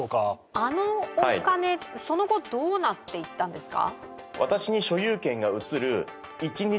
あのお金、その後どうなっていったんですか？